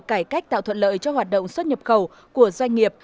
cải cách tạo thuận lợi cho hoạt động xuất nhập khẩu của doanh nghiệp